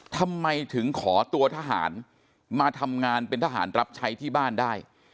ทำไมถึงขอตัวทหารมาทำงานเป็นทหารรับใช้ที่บ้านได้